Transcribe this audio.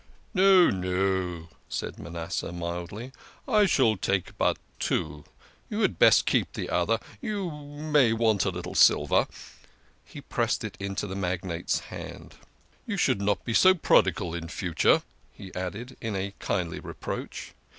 " No, no," said Manasseh mildly, " I shall take but two. You had best keep the other you may want a little silver." He pressed it into the magnate's hand. "You should not be so prodigal in future," he added, in kindly reproach.